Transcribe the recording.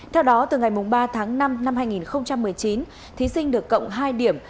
theo đó từ ngày ba năm hai nghìn một mươi chín thí sinh được cộng hai điểm